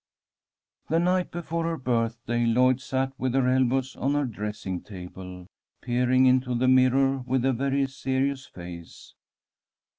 The night before her birthday, Lloyd sat with her elbows on her dressing table, peering into the mirror with a very serious face.